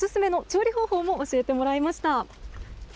そして、お勧めの調理方法も教えてもらいました。